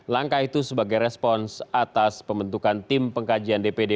langkah itu sebagai respons atas pembentukan tim pengkajian dpd